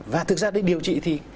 và thực ra để điều trị thì